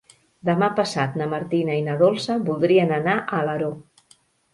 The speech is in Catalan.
Demà passat na Martina i na Dolça voldrien anar a Alaró.